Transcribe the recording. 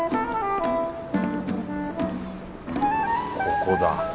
ここだ。